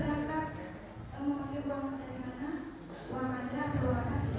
harus memperbaiki caption